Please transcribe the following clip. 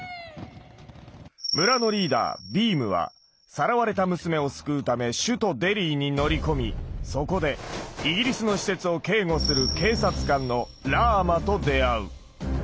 村のリーダービームはさらわれた娘を救うため首都デリーに乗り込みそこでイギリスの施設を警護する警察官のラーマと出会う。